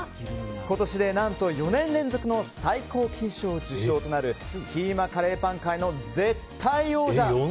今年で何と４年連続の最高金賞受賞となるキーマカレーパン界の絶対王者。